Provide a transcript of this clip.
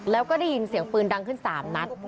แล้วก็ได้ยินเสียงปืนดังขึ้น๓นัด